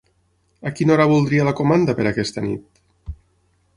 A quina hora voldria la comanda per aquesta nit?